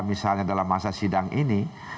misalnya dalam masa sidang ini